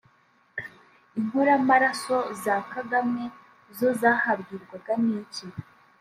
inkoramaraso za Kagame zo zahabwirwaga n’iki